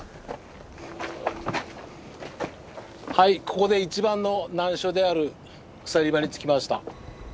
はいここで一番の難所である鎖場に着きました。